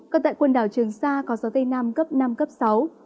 còn tại quần đảo trường sa có gió tây nam cấp năm cấp sáu